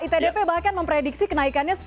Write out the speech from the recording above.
itdp bahkan memprediksi kenaikannya